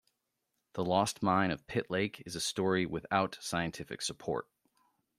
The lost mine of Pitt Lake is a story without scientific support.